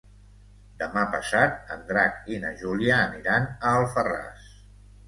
Demà passat en Drac i na Júlia aniran a Alfarràs.